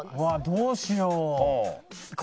わあどうしよう。